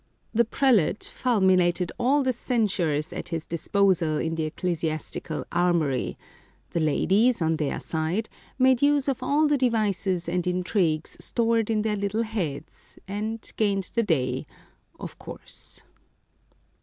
The prelate fulminated all the censures at his disposal in his ecclesiastical armoury ; the ladies, on their side, made use of all the devices and intrigues stored in their little heads, and gained the day — of course.